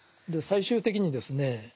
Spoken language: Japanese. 最終的にですね